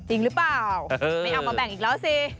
จริงหรือเปล่าไม่เอามาแบ่งอีกแล้วสิ